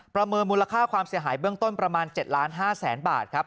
ประเมินมูลค่าความเสียหายเบื้องต้นประมาณ๗ล้าน๕แสนบาทครับ